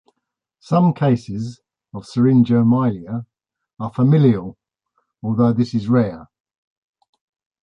Some cases of syringomyelia are familial, although this is rare.